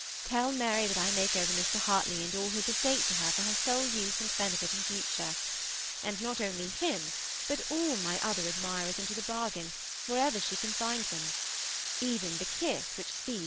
Tell Mary that I make over Mr. Heartley and all his estate to her for her sole use and benefit in future, and not only him, but all my other admirers into the bargain wherever she can find them, even the kiss which C.